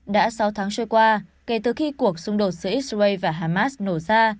đã sáu tháng trôi qua kể từ khi cuộc xung đột giữa israel và hamas nổ ra